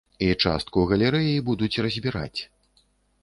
І частку галерэі будуць разбіраць.